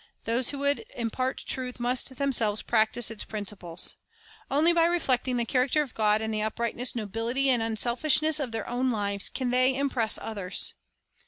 Those who would impart truth must themselves practise its principles. Only by reflecting the character of God in the uprightness, nobility, and unselfishness of their own lives can they impress others.